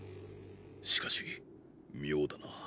しかし妙だな。